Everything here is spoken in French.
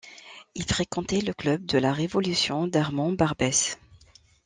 Il fréquentait le club de la Révolution d’Armand Barbès.